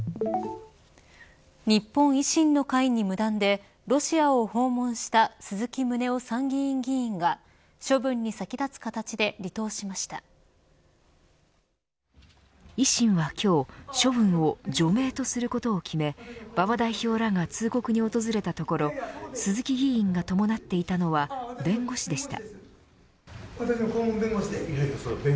日本維新の会に無断でロシアを訪問した鈴木宗男参議院議員が維新は今日、処分を除名とすることを決め馬場代表らが通告に訪れたところ鈴木議員が伴っていたのは弁護士でした。